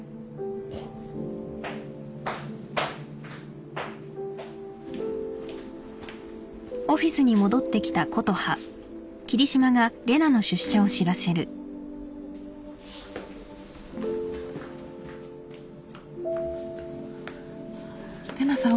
えっ？玲奈さん。